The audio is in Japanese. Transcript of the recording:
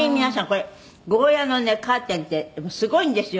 これゴーヤのねカーテンってすごいんですよ」